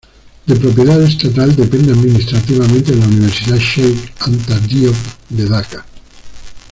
De propiedad estatal depende administrativamente de la Universidad Cheikh Anta Diop de Dakar.